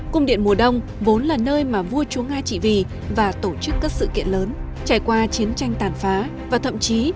cung điện mùa đông vốn là nơi mà vua chúa nga trị vì và tổ chức các sự kiện lớn trải qua chiến tranh tàn phá và thậm chí